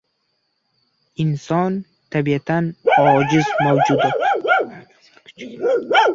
Inson tabiatan ojiz mavjudot.